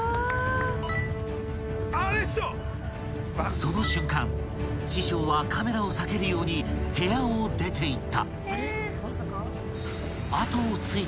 ［その瞬間師匠はカメラを避けるように部屋を出ていった］